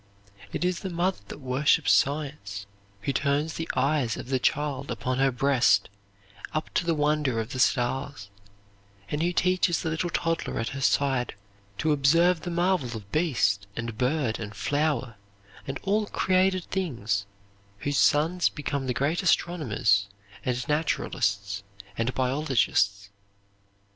"It is the mother that worships science, who turns the eyes of the child upon her breast up to the wonder of the stars, and who teaches the little toddler at her side to observe the marvel of beast, and bird, and flower, and all created things, whose sons become the great astronomers and naturalists, and biologists."